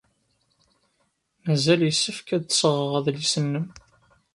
Mazal yessefk ad d-sɣeɣ adlis-nnem.